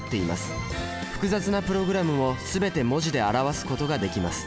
複雑なプログラムを全て文字で表すことができます。